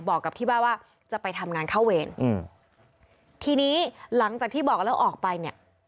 บอกกับที่บ้านว่าจะไปทำงานเข้าเวรอืมทีนี้หลังจากที่บอกแล้วออกไปเนี่ย